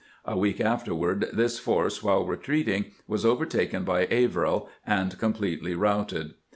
A week after ward this force, while retreating, was overtaken by Averell, and completely routed.